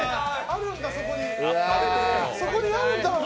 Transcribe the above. そこにあるんだ！